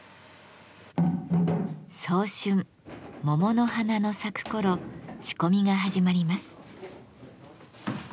早春桃の花の咲く頃仕込みが始まります。